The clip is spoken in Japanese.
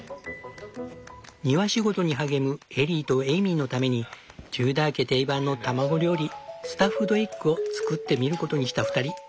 庭仕事に励むエリーとエイミーのためにテューダー家定番の卵料理「スタッフドエッグ」を作ってみることにした２人。